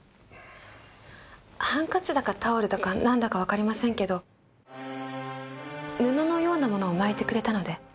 ハンカチだかタオルだかなんだかわかりませんけど布のようなものを巻いてくれたので。